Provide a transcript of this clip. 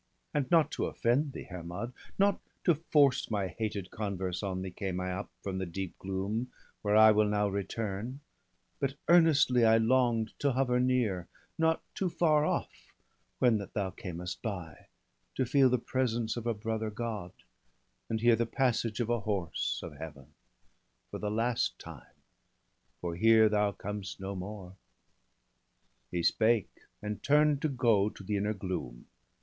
And not to offend thee, Hermod, nor to force My hated converse on thee, came I up From the deep gloom, where I wiU now return; But earnestly I long'd to hover near, Not too far off, when that thou camest by; BALDER DEAD. 183 To feel the presence of a brother God, And hear the passage of a horse of Heaven, For the last time — for here thou com'st no more/ He spake, and turn'd to go to the inner gloom.